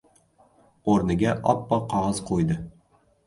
O‘rniga oppoq qog‘oz qo‘ydi.